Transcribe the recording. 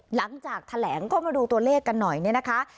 หลังจากแถลงก็มาดูตัวเลขกันหน่อยเนี่ยนะคะ